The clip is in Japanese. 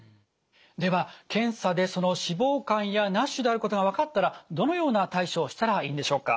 では検査でその脂肪肝やＮＡＳＨであることが分かったらどのような対処をしたらいいんでしょうか？